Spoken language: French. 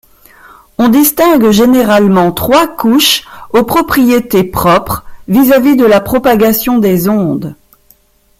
On distingue généralement trois couches aux propriétés propres vis-à-vis de la propagation des ondes.